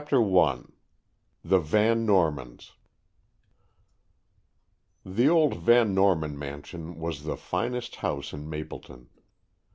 THE CLUE I THE VAN NORMANS The old Van Norman mansion was the finest house in Mapleton.